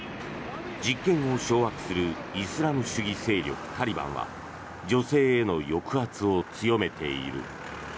実権を掌握するイスラム主義勢力タリバンは女性への抑圧を強めている。